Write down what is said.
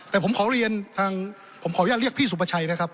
แต่ผมขอเรียนทางผมขออนุญาตเรียกพี่สุประชัยนะครับ